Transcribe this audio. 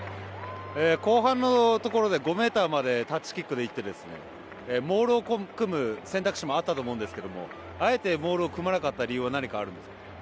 後半のところで５ｍまでタッチキックで行ってモールを組む選択肢もあったと思うんですけれどもあえてモールを組まなかった理由は何かありますか。